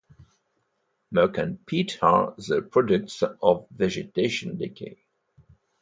Muck and peat are the products of vegetation decay.